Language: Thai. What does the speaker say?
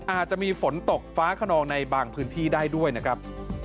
อาจจะมีฝนตกฟ้าขนองในบางพื้นที่ได้ด้วยนะครับ